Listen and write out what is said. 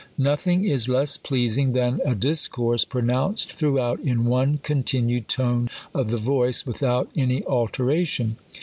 Nothing is less pleasing than a discourse pronounced thi'oughout in one continued tone of the voice, with out any alteration..